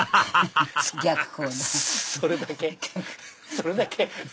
それだけ？